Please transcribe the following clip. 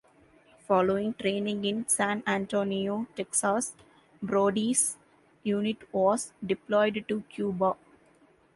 Following training in San Antonio, Texas, Brodie's unit was deployed to Cuba.